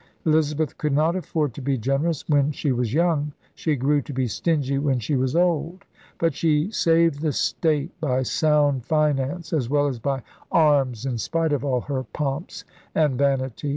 Elizabeth could not afford to be generous when she was young. She grew to be stingy when she was old. But she saved the state by sound finance as well as by arms in spite of all her pomps and vanities.